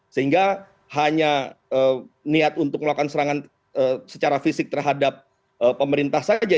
sehingga hanya niat untuk melakukan serangan secara fisik terhadap pemerintah saja